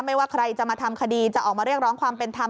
ว่าใครจะมาทำคดีจะออกมาเรียกร้องความเป็นธรรม